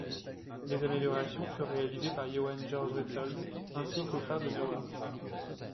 Des améliorations furent réalisées par Johann Georg Repsold ainsi qu'au phare de Neuwerk.